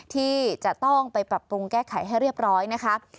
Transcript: ที่จะต้องไปปรับปรุงแก้ไขให้เรียบร้อยนะคะ